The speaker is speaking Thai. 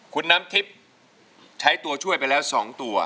คุณน้ำทิพย์ใช้ตัวช่วยไปแล้ว๒ตัว